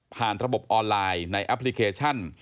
ระบบออนไลน์ในแอปพลิเคชัน